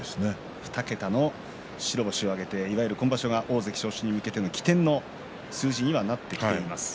２桁の白星を挙げていわゆる今場所が大関昇進に向けての起点の数字にはなってきています。